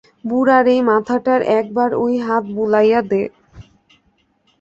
বুড়ার এই মাথাটায় একবার ওই হাত বুলাইয়া দে।